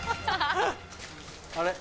あれ？